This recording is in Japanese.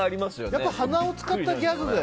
やっぱり鼻を使ったギャグが。